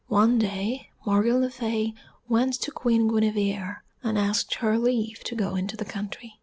One day Morgan le Fay went to Queen Guenevere, and asked her leave to go into the country.